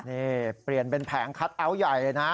นี่เปลี่ยนเป็นแผงคัทเอาท์ใหญ่เลยนะ